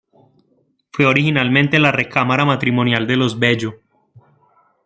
Fue originalmente la recámara matrimonial de los Bello.